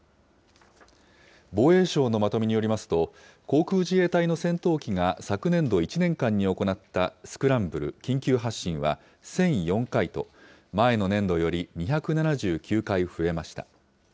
防衛省のまとめによりますと、航空自衛隊の戦闘機が昨年度１年間に行ったスクランブル・緊急発進は１００４回と、前の年度より２７９回増えました。